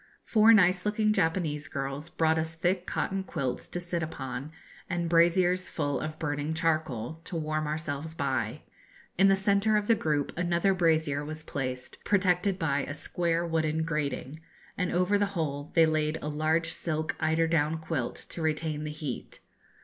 Four nice looking Japanese girls brought us thick cotton quilts to sit upon, and braziers full of burning charcoal, to warm ourselves by. In the centre of the group another brazier was placed, protected by a square wooden grating, and over the whole they laid a large silk eider down quilt, to retain the heat.